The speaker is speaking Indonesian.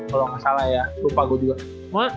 kalau nggak salah ya lupa gue juga